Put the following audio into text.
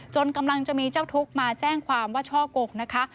กำลังจะมีเจ้าทุกข์มาแจ้งความว่าช่อกงนะคะ